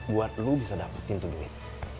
buat lo bisa dapetin tuh duit